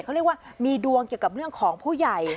เขาเรียกว่ามีดวงเกี่ยวกับเรื่องของผู้ใหญ่